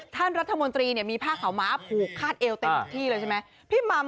ท่านรัฐมนตรีเนี่ยมีผ้าขาวม้าผูกคาดเอวเต็มที่เลยใช่ไหม